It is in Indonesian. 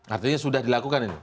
artinya sudah dilakukan ini